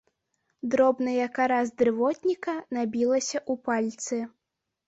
Дробная кара з дрывотніка набілася ў пальцы.